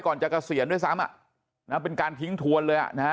ก่อนจากเกษียณด้วยซ้ำน่ะน้ะเป็นการทิ้งถวนเลยน่ะน่ะ